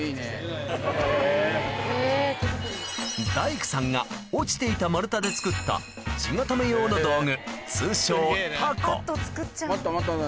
大工さんが落ちていた丸太で作った地固め用の道具